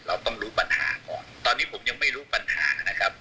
เราต้องรู้ปัญหาก่อนตอนนี้ผมยังไม่รู้ปัญหานะครับ